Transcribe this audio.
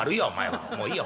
もういいや。